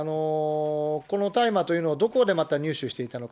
この大麻というのを、どこでまた入手していたのか。